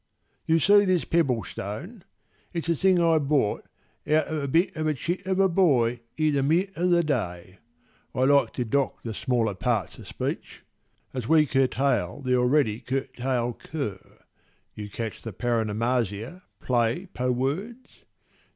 YOU see this pebble stone? It's a thing I bought Of a bit of a chit of a boy i' the mid o' the day— I like to dock the smaller parts o' speech, As we curtail the already cur tail'd cur (You catch the paronomasia, play 'po' words?)